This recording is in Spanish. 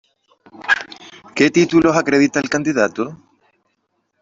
¿Qué títulos acredita el candidato?